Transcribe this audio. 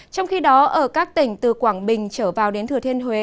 trong khi đó ở các tỉnh từ quảng bình trở vào đến thừa thiên huế